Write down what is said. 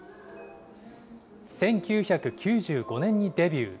１９９５年にデビュー。